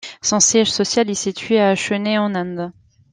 Son siège social est situé à Chennai en Inde.